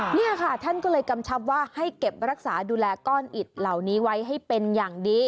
นี่ค่ะท่านก็เลยกำชับว่าให้เก็บรักษาดูแลก้อนอิดเหล่านี้ไว้ให้เป็นอย่างดี